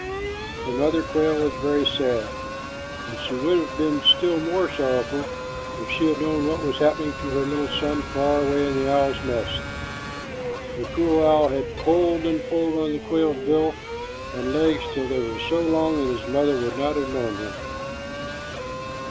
The mother quail was very sad, and she would have been still more sorrowful if she had known what was happening to her little son far away in the owl's nest. The cruel owl had pulled and pulled on the quail's bill and legs, till they were so long that his mother would not have known him.